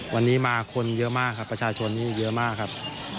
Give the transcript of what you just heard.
วันนี้มาคนเยอะมากครับประชาชนนี่เยอะมากครับ